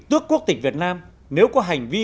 tước quốc tịch việt nam nếu có hành vi